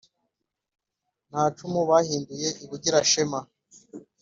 Nta cumu bahinduye i Bugira-shema